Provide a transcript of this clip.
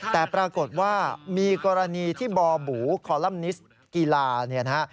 แต่ปรากฏว่ามีกรณีที่บ่อบูคอลัมนิสต์กีฬาเนี่ยนะฮะ